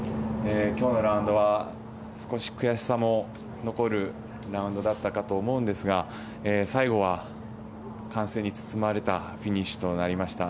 今日のラウンドは少し悔しさも残るラウンドだったかと思うんですが最後は歓声に包まれたフィニッシュとなりました。